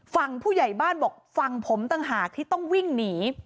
ฝั่งผู้ใหญ่บ้านบอกฝั่งผมต่างหากที่ต้องวิ่งหนี